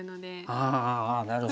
ああなるほど。